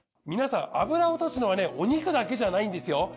皆さん油を落とすのはねお肉だけじゃないんですよ。